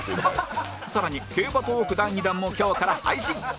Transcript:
更に競馬トーーク第２弾も今日から配信！